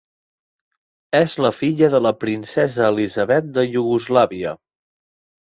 És la filla de la princesa Elisabet de Iugoslàvia.